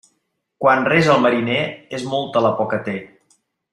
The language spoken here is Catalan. Quan resa el mariner, és molta la por que té.